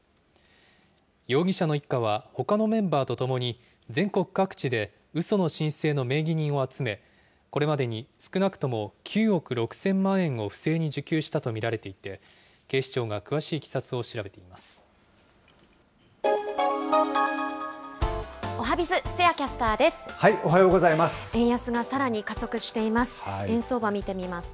容疑者の一家は、ほかのメンバーとともに、全国各地でうその申請の名義人を集め、これまでに少なくとも９億６０００万円を不正に受給したと見られていて、警視庁が詳しいいきさつを調べています。